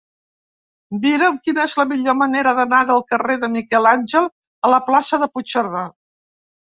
Mira'm quina és la millor manera d'anar del carrer de Miquel Àngel a la plaça de Puigcerdà.